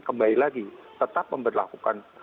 kembali lagi tetap memperlakukan